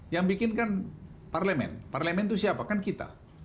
yang bikin kan parlemen parlemen itu siapa kan kita